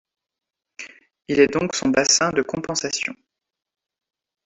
Il est donc son bassin de compensation.